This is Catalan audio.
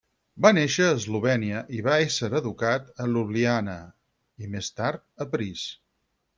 Va néixer a Eslovènia i va ésser educat a Ljubljana i més tard a París.